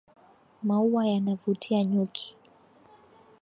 Maua yanavutia nyuki.